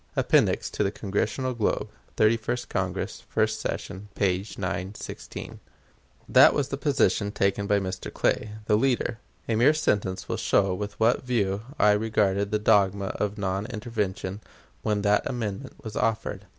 (Appendix to Congressional Globe, Thirty first Congress, first session, p. 916.) That was the position taken by Mr. Clay, the leader. A mere sentence will show with what view I regarded the dogma of non intervention when that amendment was offered.